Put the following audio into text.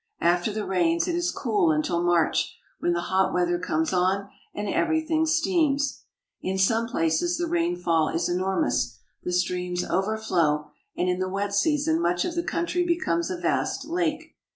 After the rains it is cool until March, when the hot weather comes on and everything steams. In some places the rainfall is enormous, the streams over flow, and in the wet season much of the country becomes a vast lake.